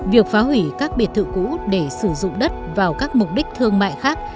việc phá hủy các biệt thự cũ để sử dụng đất vào các mục đích thương mại khác